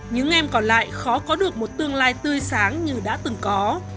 những em còn lại khó có được một tương lai tươi sáng như đã từng có